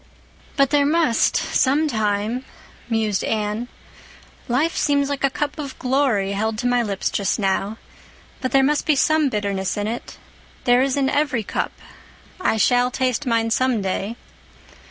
"But there must—sometime," mused Anne. "Life seems like a cup of glory held to my lips just now. But there must be some bitterness in it—there is in every cup. I shall taste mine some day.